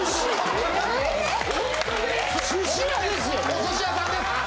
お寿司屋さんです。